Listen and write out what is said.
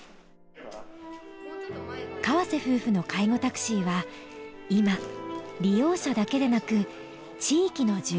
河瀬夫婦の介護タクシーは今利用者だけでなく地域の住民も支えています。